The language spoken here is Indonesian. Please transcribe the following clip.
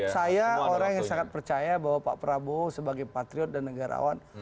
saya orang yang sangat percaya bahwa pak prabowo sebagai patriot dan negarawan